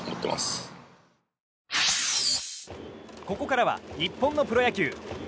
ここからは日本のプロ野球。